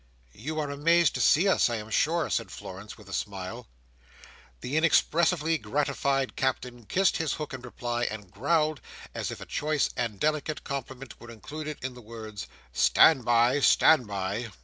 "You are amazed to see us, I am sure," said Florence, with a smile. The inexpressibly gratified Captain kissed his hook in reply, and growled, as if a choice and delicate compliment were included in the words, "Stand by! Stand by!"